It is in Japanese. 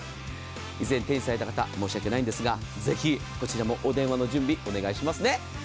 以前、手にされた方申し訳ないんですがぜひ、こちらもお電話の準備お願いしますね。